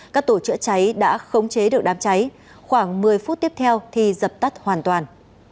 các tổ chữa cháy đã khống chế được đám cháy khoảng một mươi phút tiếp theo thì dập tắt hoàn toàn